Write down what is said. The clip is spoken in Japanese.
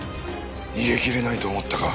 逃げきれないと思ったか。